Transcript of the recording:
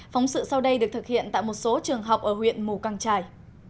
phóng sự sau đây được thực hiện tại một số trường học ở huyện mù căng trải